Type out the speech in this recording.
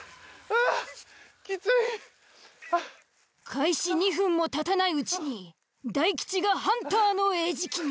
開始２分もたたないうちに大吉がハンターの餌食に。